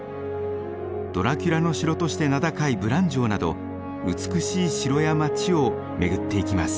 ドラキュラの城として名高いブラン城など美しい城や街を巡っていきます。